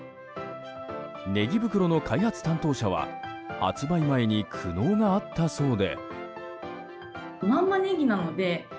ねぎ袋の開発担当者は発売前に苦悩があったそうで。